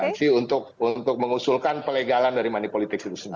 ini bukan arti untuk mengusulkan pelegalan dari money politics itu sendiri